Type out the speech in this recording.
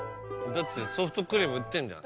だってソフトクリーム売ってんじゃん。